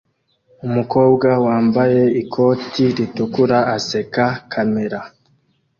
Umukobwa wambaye ikoti ritukura aseka kamera